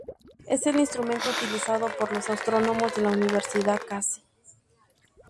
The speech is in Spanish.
Es el instrumento utilizado por los astrónomos de la Universidad Case.